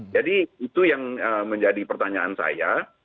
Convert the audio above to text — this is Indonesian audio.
jadi itu yang menjadi pertanyaan saya